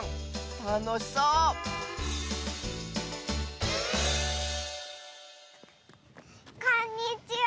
たのしそうこんにちは！